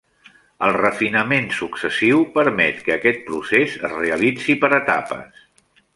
El "refinament successiu" permet que aquest procés es realitzi per etapes.